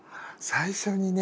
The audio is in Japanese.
最初にね